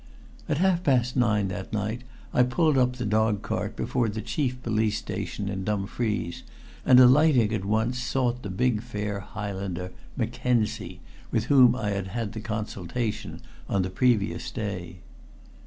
At half past nine that night I pulled up the dog cart before the chief police station in Dumfries, and alighting at once sought the big fair Highlander, Mackenzie, with whom I had had the consultation on the previous day.